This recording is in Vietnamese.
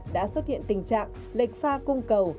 đã xuất hiện tình trạng lệch pha cung cầu